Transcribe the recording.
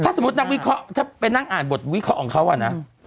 สมมุตินักวิเคราะห์ถ้าไปนั่งอ่านบทวิเคราะห์ของเขาอะนะ